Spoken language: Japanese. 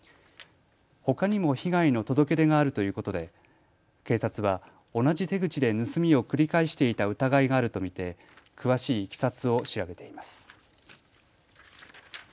ほかにも被害の届け出があるということで警察は同じ手口で盗みを繰り返していた疑いがあると見て詳しいいきさつを調べています。